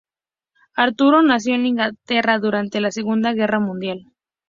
Arturo nació en Inglaterra durante la Segunda Guerra Mundial.